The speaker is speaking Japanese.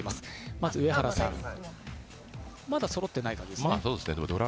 まず上はらさん、まだそろってないですね。